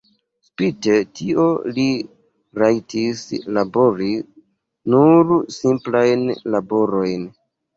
Spite tion li rajtis labori nur simplajn laborojn.